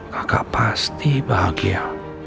kakak pasti bahagia